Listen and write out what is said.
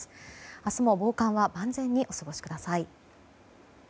明日も防寒は万全にお過ごしください。